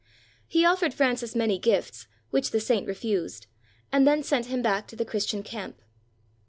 He offered Francis many gifts, which the saint refused, and then sent him back to the Chris tian camp.